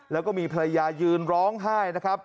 แล้วก็มีภรรยายืนร้องไห้นะครับ